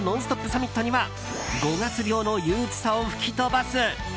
サミットには五月病の憂鬱さを吹き飛ばす